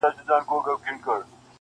ماویل زه به د سپېدو پر اوږو-